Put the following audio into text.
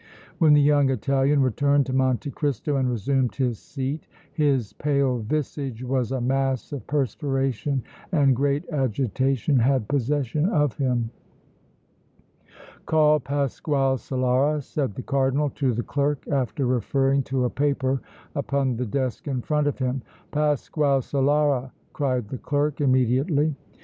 When the young Italian returned to Monte Cristo and resumed his seat his pale visage was a mass of perspiration and great agitation had possession of him. "Call Pasquale Solara," said the Cardinal to the clerk, after referring to a paper upon the desk in front of him. "Pasquale Solara!" cried the clerk, immediately.